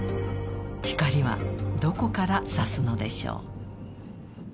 光はどこから差すのでしょう。